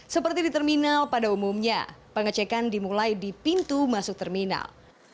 seperti di terminal pada umumnya pengecekan dimulai di pintu masuk terminal